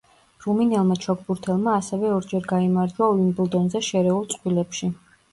რუმინელმა ჩოგბურთელმა ასევე ორჯერ გაიმარჯვა უიმბლდონზე შერეულ წყვილებში.